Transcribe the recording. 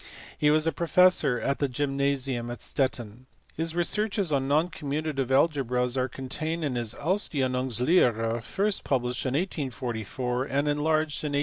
He was professor at the gymnasium at Stettin. His researches on non commutative algebras are contained in his Ausdehnungslehre, first published in 1844 and enlarged in 1862.